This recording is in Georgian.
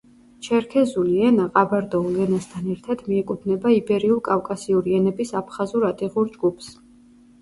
ჩერქეზული ენა ყაბარდოულ ენასთან ერთად მიეკუთვნება იბერიულ-კავკასიური ენების აფხაზურ-ადიღურ ჯგუფს.